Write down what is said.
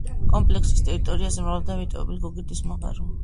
კომპლექსის ტერიტორიაზე მრავლადაა მიტოვებული გოგირდის მაღარო.